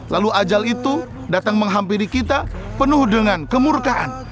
lalu ajal itu datang menghampiri kita penuh dengan kemurkaan